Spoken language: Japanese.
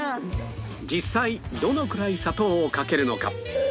実際どのくらい砂糖をかけるのか